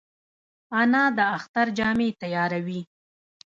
انا د اختر جامې تیاروي